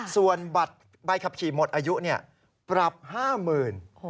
ส่วนบัตรใบขับขี่หมดอายุปรับห้าหมื่น